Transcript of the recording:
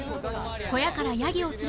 小屋からヤギを連れ出し